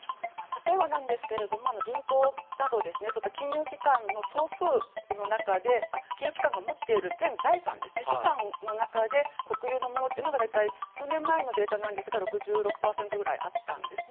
例えば、銀行など金融機関が持っている全資産の中で国有のものが数年前のデータで大体ですが６６％くらいあったんですね。